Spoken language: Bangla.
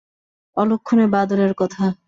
অলুক্ষুণে বাদুড়ের কথা!